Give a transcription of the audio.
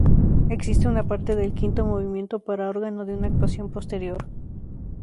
Existe una parte del quinto movimiento para órgano de una actuación posterior.